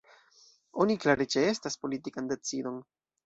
Oni klare ĉeestas politikan decidon.